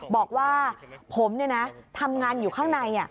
บอกว่าผมทำงานอยู่ข้างใน